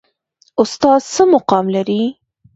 استاد څه مقام لري؟